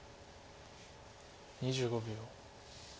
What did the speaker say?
２５秒。